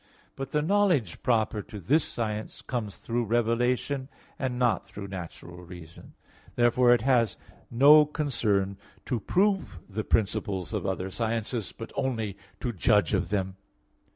But the knowledge proper to this science comes through revelation and not through natural reason. Therefore it has no concern to prove the principles of other sciences, but only to judge of them.